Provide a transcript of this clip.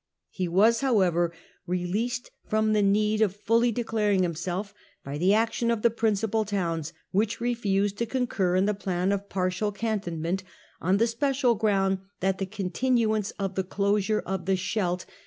He was however released from the need of fully declaring himself by the action of the principal towns, which refused to concur in the plan of partial cantonment, on the special ground that the continuance of the closure of the Scheldt (see p.